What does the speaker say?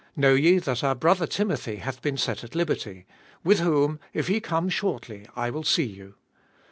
23. Know ye that our brother Timothy hath been set at liberty; with whom, if he come shortly, I will see you.